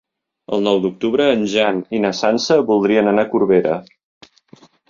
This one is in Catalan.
El nou d'octubre en Jan i na Sança voldrien anar a Corbera.